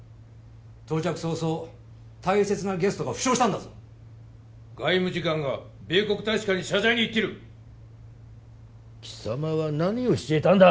到着早々大切なゲストが負傷したんだぞ外務次官が米国大使館に謝罪に行ってる貴様は何をしていたんだ？